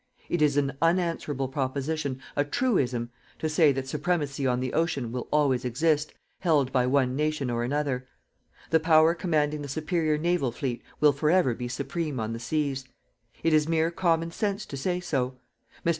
It is an unanswerable proposition a truism to say that supremacy on the ocean will always exist, held by one nation or another. The Power commanding the superior naval fleet will for ever be supreme on the seas. It is mere common sense to say so. Mr.